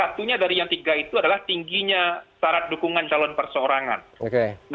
untuk maksa angry like the giant atau biar saya tidak ada kebutuhan tanpa ngepot